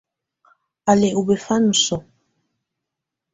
Á lɛ́ ɔ bɛfanɛ ɔ ɔsɔ̀á.